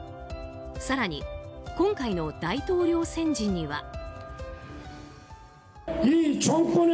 更に今回の大統領選時には。